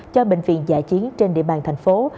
cho bệnh viện giả chiến trên địa bàn thành phố